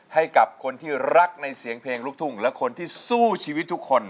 ให้กับคนที่รักในเสียงเพลงลูกทุ่งและคนที่สู้ชีวิตทุกคน